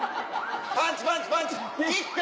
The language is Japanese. パンチパンチパンチキック。